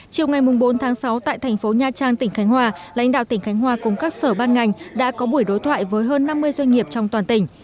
chiều ngày bốn tháng sáu tại thành phố nha trang tỉnh khánh hòa lãnh đạo tỉnh khánh hòa cùng các sở ban ngành đã có buổi đối thoại với hơn năm mươi doanh nghiệp trong toàn tỉnh